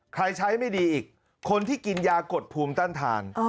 ใช้ไม่ดีอีกคนที่กินยากดภูมิต้านทาน